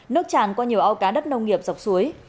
nước tràn qua nhiều ao cá đất nông nghiệp dọc suối